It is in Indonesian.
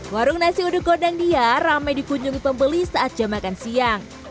warung nasi uduk gondang dia ramai dikunjungi pembeli saat jam makan siang